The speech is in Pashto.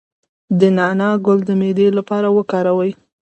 د نعناع ګل د معدې لپاره وکاروئ